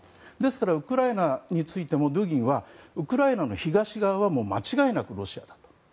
ですからウクライナについてもドゥーギンはウクライナの東側は間違いなくロシアだと。